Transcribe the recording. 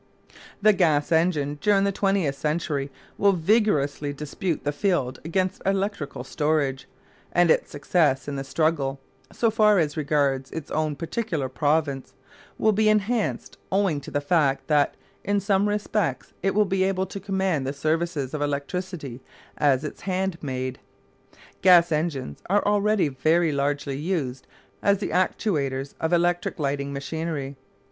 The gas engine during the twentieth century will vigorously dispute the field against electrical storage; and its success in the struggle so far as regards its own particular province will be enhanced owing to the fact that, in some respects, it will be able to command the services of electricity as its handmaid. Gas engines are already very largely used as the actuators of electric lighting machinery.